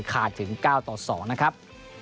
ขาดถึง๙๒นะครับ